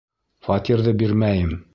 Фатирҙы бирмәйем!